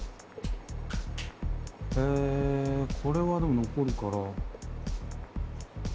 えこれはでも残るから。